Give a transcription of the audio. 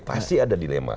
pasti ada dilema